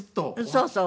そうそう。